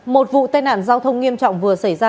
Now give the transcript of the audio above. một vụ tai nạn giao thông nghiêm trọng vừa xảy ra